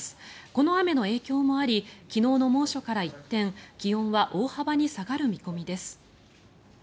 この雨の影響もあり昨日の猛暑から一転気温は大幅に下がる見込みです。